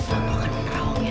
aku akan menerangnya